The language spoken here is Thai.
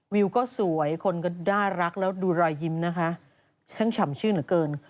วิวก็สวยคนก็น่ารักแล้วดูรอยยิ้มนะคะฉันฉ่ำชื่นเหลือเกิน